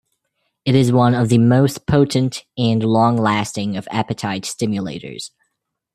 It is one of the most potent and long-lasting of appetite stimulators.